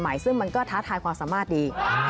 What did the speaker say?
ที่ใหม่ซึ่งมันก็ท้าทายความสามารถดี